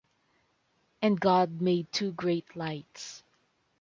And God made two great lights;